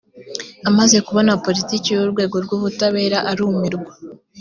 amaze kubona politiki y urwego rw’ ubutabera arumirwa